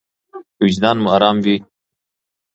وجدان مو ارام وي.